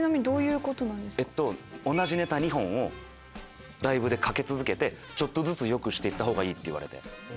同じネタ２本をライブでかけ続けてちょっとずつよくして行ったほうがいいって。